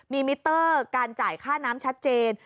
มีมิเตอร์การจ่ายค่าน้ำชัดเจน